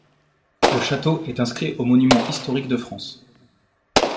Le château est inscrit aux monuments historiques de France.